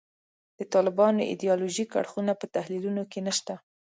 د طالبانو ایدیالوژیک اړخونه په تحلیلونو کې نشته.